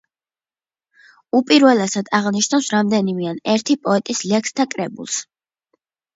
უპირველესად აღნიშნავს რამდენიმე ან ერთი პოეტის ლექსთა კრებულს.